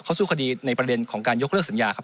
เขาสู้คดีในประเด็นของการยกเลิกสัญญาครับ